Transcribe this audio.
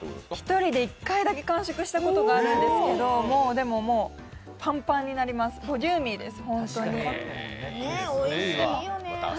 １人で１回だけ完食したことがあるんですけどでももうパンパンになります、本当にボリューミーです。